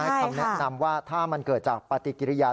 คำแนะนำว่าถ้ามันเกิดจากปฏิกิริยา